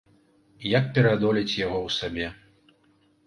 Як пераадолець яго ў сабе?